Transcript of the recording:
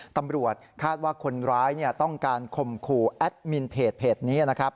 ตำรวจคาดว่าคนร้ายต้องการคมครูแอดมินเพจเพจนี้